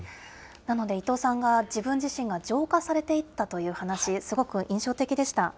なので、伊藤さんが自分自身が浄化されていったという話、すごく印象的でした。